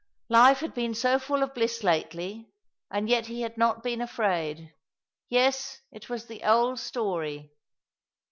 Life had been so full of bliss lately, and yet he had not been afraid. Yes, it was the old story.